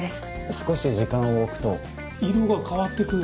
少し時間を置くと。色が変わってく。